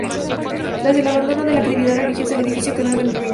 Tras el abandono de la actividad religiosa el edificio quedó en ruinas.